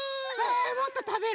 もっとたべる？